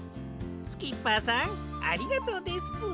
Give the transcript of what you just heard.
スキッパーさんありがとうですぷ。